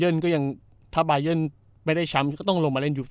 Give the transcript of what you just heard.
เินจะยังถ้าไม่ได้ชั้นก็ต้องลงมาเล่น